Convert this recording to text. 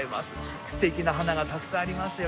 素敵な花がたくさんありますよ